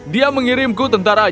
dia mengirimku tentara